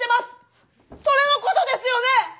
それのことですよね